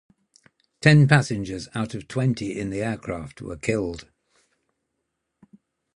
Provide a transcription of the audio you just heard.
Ten passengers out of twenty in the aircraft were killed.